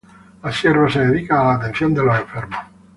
Las siervas se dedican a la atención de los enfermos.